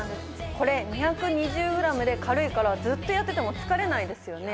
これ２２０ｇで軽いからずっとやってても疲れないですよね。